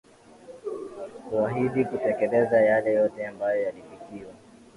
kuahidi kutekeleza yale yote ambayo yalifikiwa